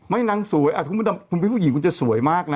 ไม่นางซวยอะมีผู้หญิงคุณจะสวยมากน่ะ